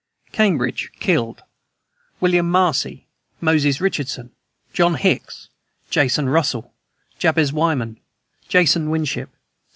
CAMBRIDGE. Killed: William Marcy, Moses Richardson, John Hicks, Jason Russell, Jabez Wyman, Jason Winship, 6.